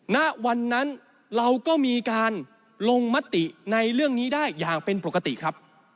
ณวันนั้นเราก็มีการลงมติในเรื่องนี้ได้อย่างเป็นปกติครับ